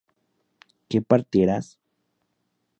¿que partieras?